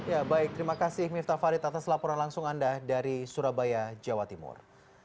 ya baik terima kasih miftah farid atas laporan langsung anda dari surabaya jawa timur